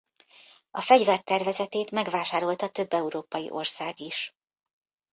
A fegyver tervezetét megvásárolta több európai ország is.